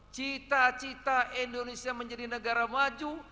cita cita indonesia menjadi negara maju